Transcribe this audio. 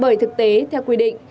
bởi thực tế theo quy định